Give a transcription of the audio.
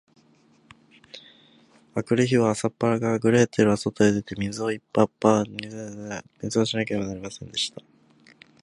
あくる日は、朝っぱらから、グレーテルはそとへ出て、水をいっぱいはった大鍋をつるして、火をもしつけなければなりませんでした。